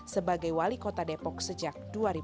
sebagai wali kota depok sejak dua ribu lima belas